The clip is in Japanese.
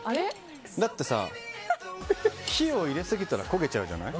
だってさ、火を入れすぎたら焦げちゃうじゃない？